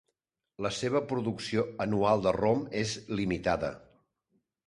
La seva producció anual de rom és limitada.